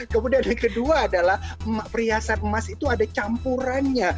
kemudian yang kedua adalah perhiasan emas itu ada campurannya